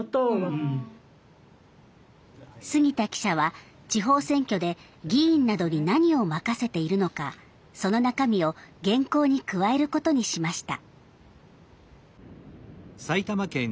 杉田記者は地方選挙で議員などに何を任せているのかその中身を原稿に加えることにしました。